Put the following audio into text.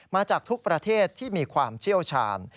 มาจากทุกประเทศที่มีความเชี่ยวชาญ